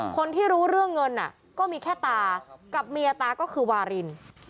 คนที่รู้เรื่องเงินก็มีแค่ตากับเมียตาก็คือวาริน